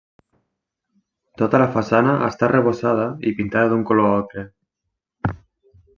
Tota la façana està arrebossada i pintada d'un color ocre.